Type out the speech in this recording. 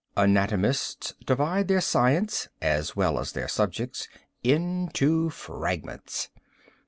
Anatomists divide their science, as well as their subjects, into fragments.